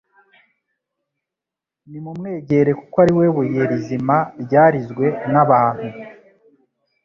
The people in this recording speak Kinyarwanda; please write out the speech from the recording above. nimumwegere kuko ari we buye rizima ryarizwe n'abantu